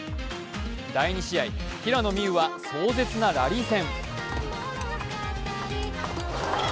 第２試合、平野美宇は壮絶なラリー戦。